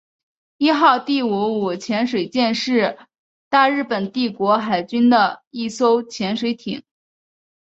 伊号第五五潜水舰是大日本帝国海军的一艘潜水艇。